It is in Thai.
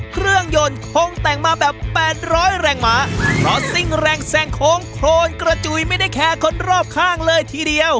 เครื่องยนต์คงแต่งมาแบบแปดร้อยแรงหมาเพราะซิ่งแรงแซงโค้งโครนกระจุยไม่ได้แคร์คนรอบข้างเลยทีเดียว